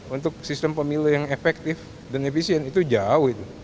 untuk sistem pemilu yang efektif dan efisien itu jauh itu